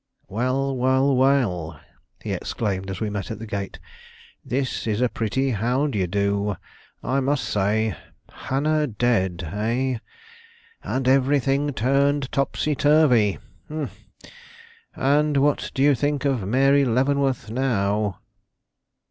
"Well, well, well," he exclaimed, as we met at the gate; "this is a pretty how dye do, I must say. Hannah dead, eh? and everything turned topsy turvy! Humph, and what do you think of Mary Leavenworth now?"